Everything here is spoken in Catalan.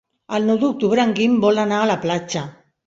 El nou d'octubre en Guim vol anar a la platja.